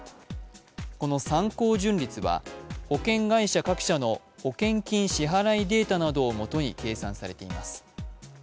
この参考純率は保険会社各社の保険金支払いデータなどをもとに計算されています。